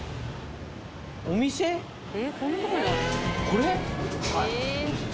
これ。